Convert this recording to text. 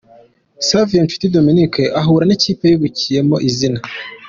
Savio Nshuti Dominique ahura n'ikipe yubakiyemo izina.